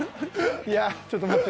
いやちょっと待って。